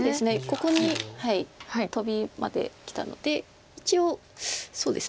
ここにトビまできたので一応そうですね。